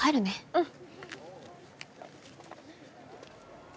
うん。